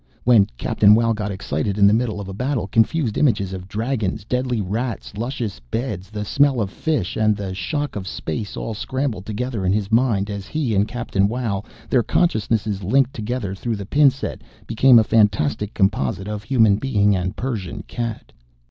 When Captain Wow got excited in the middle of a battle, confused images of Dragons, deadly Rats, luscious beds, the smell of fish, and the shock of space all scrambled together in his mind as he and Captain Wow, their consciousnesses linked together through the pin set, became a fantastic composite of human being and Persian cat.